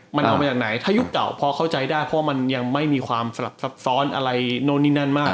มันเอามาจากไหนถ้ายุคเก่าพอเข้าใจได้เพราะมันยังไม่มีความสลับซับซ้อนอะไรโน้นนี่นั่นมาก